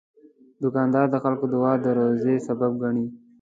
دوکاندار د خلکو دعا د روزي سبب ګڼي.